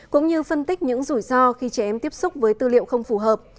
cũng như phân tích những rủi ro khi trẻ em tiếp xúc với tư liệu không phù hợp